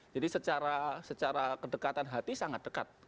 jadi secara kedekatan hati sangat dekat